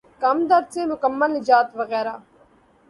کمر درد سے مکمل نجات وغیرہ